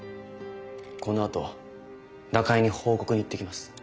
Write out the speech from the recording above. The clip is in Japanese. このあと中江に報告に行ってきます。